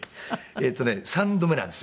えっとね３度目なんですよ。